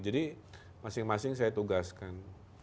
jadi masing masing saya tugaskan